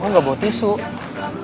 yang ada hanya sepuntung rindu